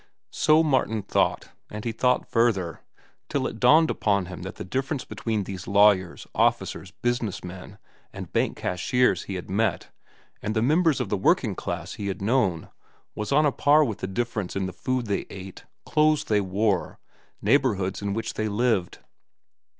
So Martin thought, and he thought further, till it dawned upon him that the difference between these lawyers, officers, business men, and bank cashiers he had met and the members of the working class he had known was on a par with the difference in the food they ate, clothes they wore, neighborhoods in which they lived.